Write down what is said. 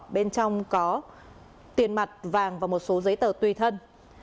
bên trong có tiền mặt vàng và một số giấy tờ tùy thân